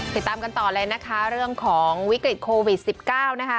ติดตามกันต่อเลยนะคะเรื่องของวิกฤตโควิด๑๙นะคะ